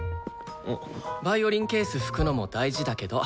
ヴァイオリンケース拭くのも大事だけど。